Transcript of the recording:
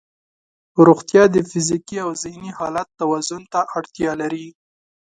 روغتیا د فزیکي او ذهني حالت توازن ته اړتیا لري.